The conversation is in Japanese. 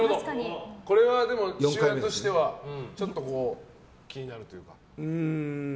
これは、父親としては気になるというか？